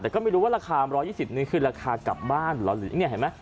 แต่ก็ไม่รู้ว่าราคา๑๒๐นิคื่นราคากลับบ้าน้อยหนึ่งเห็นมั้ย